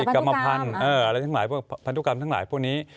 กรรมพันธุกรรมทั้งหลายพวกนี้